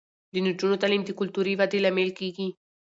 د نجونو تعلیم د کلتوري ودې لامل کیږي.